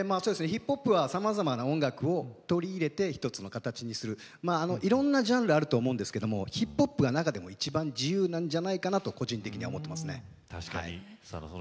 ＨＩＰＨＯＰはさまざまな音楽を取り入れて一つの形にするいろんなジャンルあると思うんですけどＨＩＰＨＯＰは中でも一番、自由なんじゃないかと個人的には思っています。